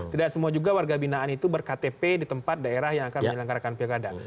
tidak semua juga warga binaan itu berktp di tempat daerah yang akan menyelenggarakan pilkada